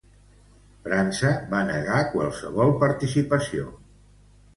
França va negar qualsevol participació.